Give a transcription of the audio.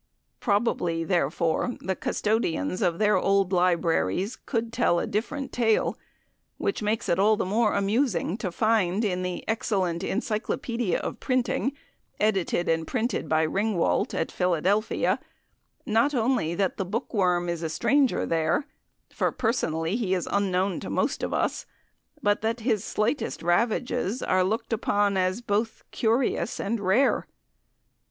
Probably, therefore, the custodians of their old libraries could tell a different tale, which makes it all the more amusing to find in the excellent "Encyclopaedia of Printing," edited and printed by Ringwalt, at Philadelphia, not only that the bookworm is a stranger there, for personally he is unknown to most of us, but that his slightest ravages are looked upon as both curious and rare.